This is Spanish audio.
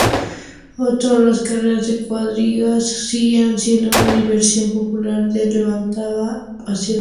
Otro, las carreras de cuadrigas siguieron siendo una diversión popular que levantaba pasiones.